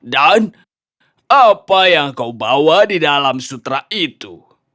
dan apa yang kau bawa di dalam sutra itu